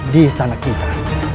di istana kita